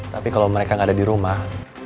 tapi kalau mereka nggak ada di rumah